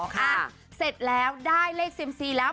อ่ะเสร็จแล้วได้เลขเซียมซีแล้ว